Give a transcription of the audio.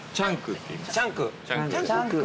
チャンク。